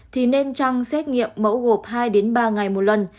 thì nên trăng xét nghiệm mẫu gộp hai ba ngày một lần